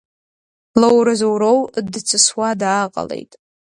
Лоуразоуроу дҵысуа дааҟалеит.